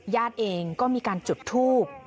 ญาติเองก็มีการจุดทูบ